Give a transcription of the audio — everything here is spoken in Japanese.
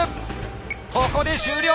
ここで終了！